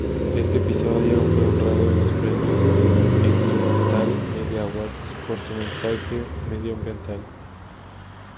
Este episodio fue honrado en los premios Environmental Media Awards por su mensaje medioambiental.